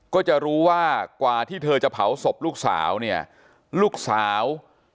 ก็จะรู้ว่ากว่าที่เธอจะเผาศพลูกสาวเนี่ยลูกสาว